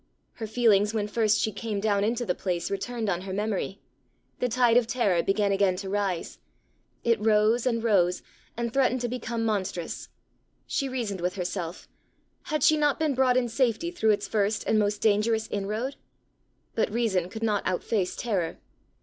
Her feelings when first she came down into the place returned on her memory. The tide of terror began again to rise. It rose and rose, and threatened to become monstrous. She reasoned with herself: had she not been brought in safety through its first and most dangerous inroad? but reason could not outface terror.